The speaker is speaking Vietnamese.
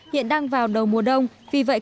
hiện đang vào đầu mùa đông vì vậy